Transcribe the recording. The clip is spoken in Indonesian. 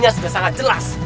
ini sudah sangat jelas